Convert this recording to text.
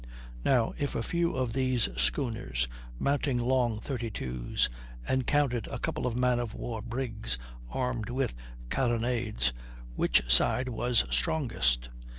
Now, if a few of these schooners, mounting long 32's, encountered a couple of man of war brigs, armed with carronades, which side was strongest?